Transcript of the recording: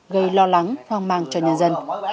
gây lo lắng hoang mang cho nhân dân